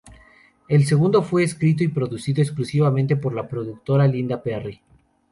El segundo fue escrito y producido exclusivamente por la productora Linda Perry.